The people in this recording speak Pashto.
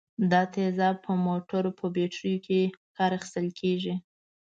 دا تیزاب په موټرو په بټریو کې کار اخیستل کیږي.